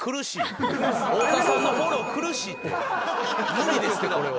無理ですってこれは。